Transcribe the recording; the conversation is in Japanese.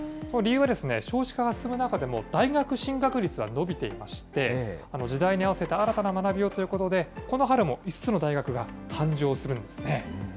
理由は、少子化が進む中でも、大学進学率は伸びていまして、時代に合わせた新たな学びをということで、この春も５つの大学が誕生するんですね。